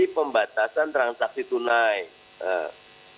pembatasan transaksi tunas